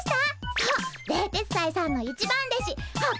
そう冷徹斎さんの一番弟子北斗七星の。